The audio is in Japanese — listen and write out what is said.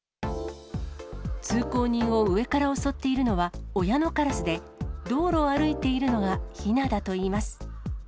通行人を上から襲っているのは親のカラスで、道路を歩いているのがひなだといいます。